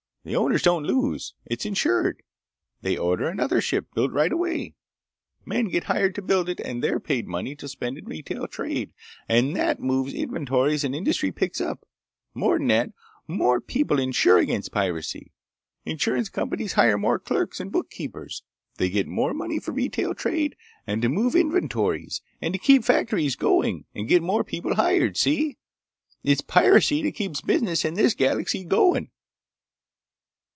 The owners don't lose. It's insured. They order another ship built right away. Men get hired to build it and they're paid money to spend in retail trade and that moves inventories and industry picks up. More'n that, more people insure against piracy. Insurance companies hire more clerks and bookkeepers. They get more money for retail trade and to move inventories and keep factories going and get more people hired.... Y'see? It's piracy that keeps business in this galaxy goin'!"